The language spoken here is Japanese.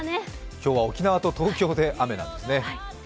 今日は沖縄と東京で雨なんですね。